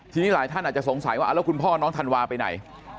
ทีนี้หลายท่านอาจจะสงสัยว่าแล้วคุณพ่อน้องธันวาไปไหน